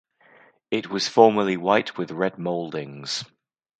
It was formerly white with red moldings.